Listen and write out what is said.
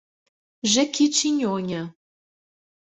Jequitinhonha